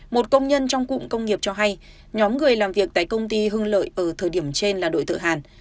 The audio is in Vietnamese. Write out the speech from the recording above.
một công nhân trong cụm công nghiệp cho hay nhóm người làm việc tại công ty hưng lợi ở thời điểm trên là đội tự hàn